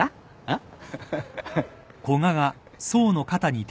あっ？